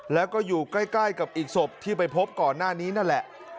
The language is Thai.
แล้วก็อยู่ใกล้กับอีกศพที่ไปพบก่อนหน้านี้นั่นแหละ